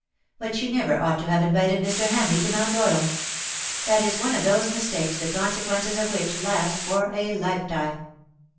But she never ought to have invited Mr. Hamleigh to Mount Royal. That is one of those mistakes the consequences of which last for a lifetime.''